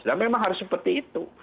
nah memang harus seperti itu